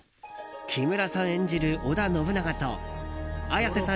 木村さん演じる織田信長と綾瀬さん